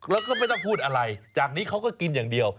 แล้วก็ไม่ต้องพูดอะไรจากนี้เขาก็กินอย่างเดียว